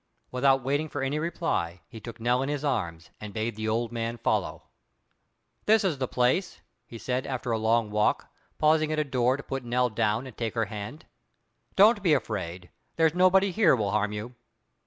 Without waiting for any reply he took Nell in his arms, and bade the old man follow. "This is the place," he said, after a long walk, pausing at a door to put Nell down and take her hand. "Don't be afraid; there's nobody here will harm you."